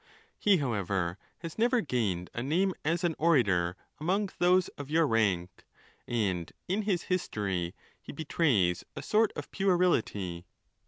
He, however, has never gained a name as an orator among those of your rank; and in his history he betrays a sort of puerility.